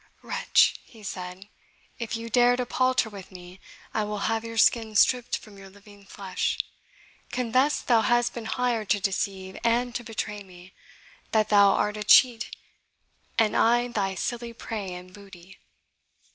"Wretch!" he said, "if you dare to palter with me, I will have your skin stripped from your living flesh! Confess thou hast been hired to deceive and to betray me that thou art a cheat, and I thy silly prey and booty!"